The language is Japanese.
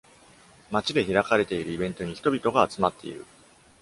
街で開かれているイベントに人々が集まっている。